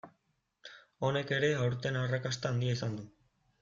Honek ere aurten arrakasta handia izan du.